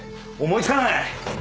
思い付かない。